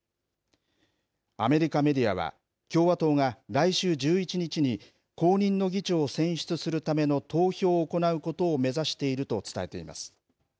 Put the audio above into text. アメリカメディアは、共和党が来週１１日に後任の議長を選出するための投票を行うことを目指していると伝えています。